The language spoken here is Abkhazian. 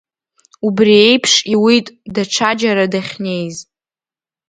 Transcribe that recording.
Убра еиԥш иуит даҽа џьара дахьнеиз.